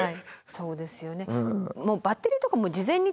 そうですね。